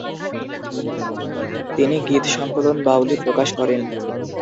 তিনি গীত সংকলন "বাউলী" প্রকাশ করেন।